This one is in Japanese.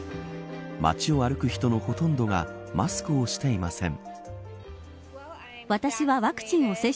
街を歩く人のほとんどがマスクをしていません。